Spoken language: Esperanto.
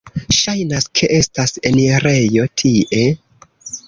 Ŝajnas, ke estas enirejo tie.